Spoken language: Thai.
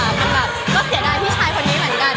มันแบบก็เสียดายพี่ชายคนนี้เหมือนกัน